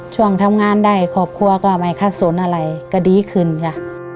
ช่วงทำงานได้ครอบครัวก็ไม่คาดสนอะไรก็ดีขึ้นจ้ะ